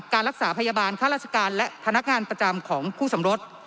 รักษาพยาบาลค่าราชการและพนักงานประจำของคู่สมรส